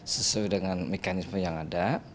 sesuai dengan mekanisme yang ada